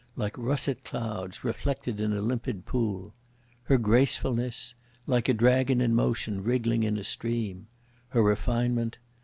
Like russet clouds reflected in a limpid pool. Her gracefulness? Like a dragon in motion wriggling in a stream; Her refinement?